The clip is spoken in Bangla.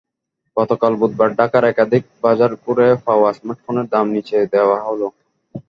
গতকাল বুধবার ঢাকার একাধিক বাজার ঘুরে পাওয়া স্মার্টফোনের দাম নিচে দেওয়া হলো।